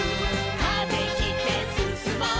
「風切ってすすもう」